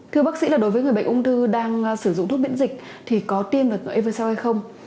thưa bác sĩ đối với người bệnh ung thư đang sử dụng thuốc miễn dịch thì có tiêm được evercell hay không